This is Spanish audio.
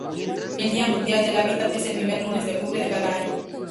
El Día Mundial del Hábitat es el primer lunes de octubre de cada año.